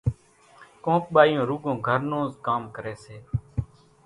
ڪونڪ ٻايُون رُوڳِيون گھر نوز ڪام ڪريَ سي